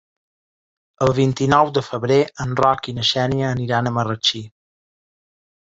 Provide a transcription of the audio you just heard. El vint-i-nou de febrer en Roc i na Xènia aniran a Marratxí.